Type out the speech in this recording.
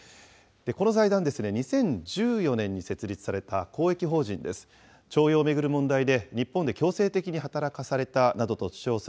この財団、２０１４年に設立された公益法人です。